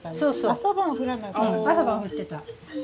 朝晩振ってた。